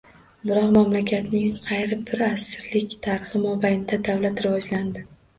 Biroq mamlakatning qariyb bir asrlik tarixi mobaynida davlat rivojlandi.